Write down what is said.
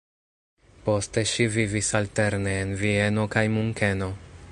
Poste ŝi vivis alterne en Vieno kaj Munkeno.